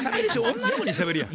女の子にしゃべるやん。